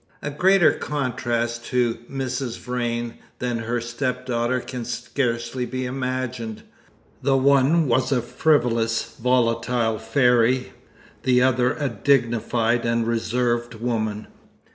A greater contrast to Mrs. Vrain than her stepdaughter can scarcely be imagined: the one was a frivolous, volatile fairy, the other a dignified and reserved woman.